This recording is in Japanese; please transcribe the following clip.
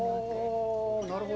なるほど。